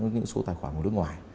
những số tài khoản của nước ngoài